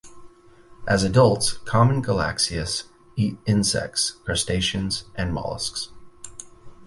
As adults, common galaxias eat insects, crustaceans, and molluscs.